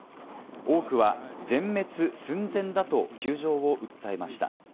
多くは全滅寸前だと窮状を訴えました。